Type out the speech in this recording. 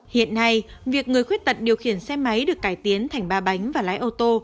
hiện nay việc người khuyết tật điều khiển xe máy được cải tiến thành ba bánh và lái ô tô